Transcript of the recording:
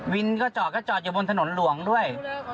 วินก็จอดก็จอดอยู่บนถนนหลวงด้วย